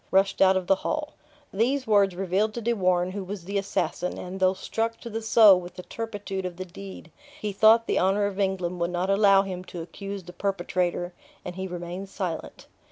rushed out of the hall. These words revealed to De Warenne who was the assassin; and though struck to the soul with the turpitude of the deed, he thought the honor of England would not allow him to accuse the perpetrator, and he remained silent.